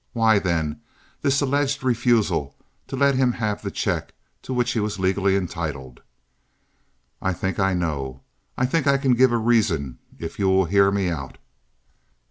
Why, then, this alleged refusal to let him have the check to which he was legally entitled? I think I know. I think I can give a reason if you will hear me out."